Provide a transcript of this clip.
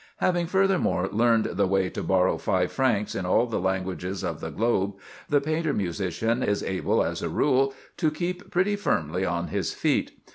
Having, furthermore, "learned the way to borrow five francs in all the languages of the globe," the painter musician is able, as a rule, to keep pretty firmly on his feet.